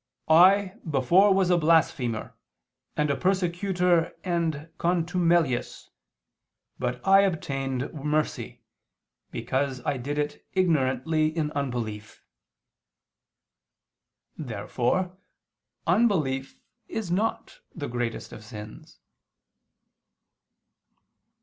. before was a blasphemer, and a persecutor and contumelious; but I obtained ... mercy ... because I did it ignorantly in unbelief." Therefore unbelief is not the greatest of sins.